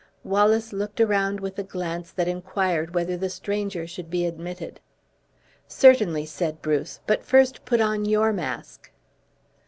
Wallace looked around with a glance that inquired whether the stranger should be admitted. "Certainly," said Bruce, "but first put on your mask."